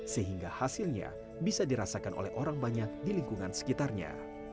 sehingga hasilnya bisa dirasakan oleh orang banyak di lingkungan sekitarnya